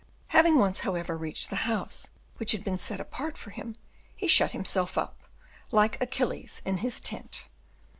Having once, however, reached the house which had been set apart for him, he shut himself up, like Achilles in his tent.